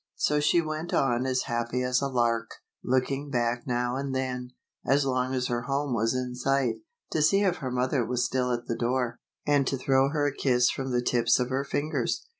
So she went on as happy as a lark, looking back now and then, as long as her home was in sight, to see if her mother was still at the door, and to throw her a kiss from the tips of her fingers.